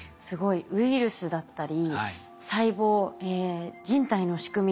ウイルスだったり細胞人体の仕組み